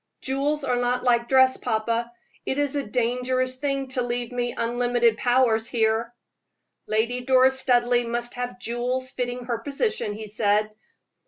"Jewels are not like dress, papa. It is a dangerous thing to leave me unlimited powers here." "Lady Doris Studleigh must have jewels fitting her position," he said.